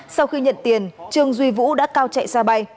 sau khi nhận tiền trương duy vũ đã cao chạy ra bay